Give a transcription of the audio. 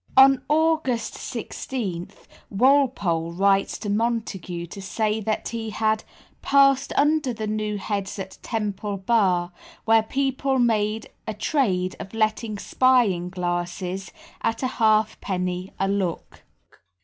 On August 16, Walpole writes to Montague to say that he had "passed under the new heads at Temple Bar, where people made a trade of letting spying glasses at a halfpenny a look."